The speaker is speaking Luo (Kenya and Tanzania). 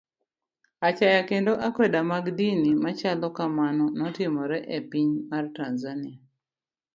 Achaya kendo akwede mag dini machalo kamano notimore e piny mar Tanzania.